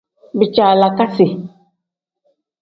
Bijaalakasi.